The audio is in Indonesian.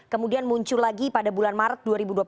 kemudian muncul lagi pada bulan maret dua ribu dua puluh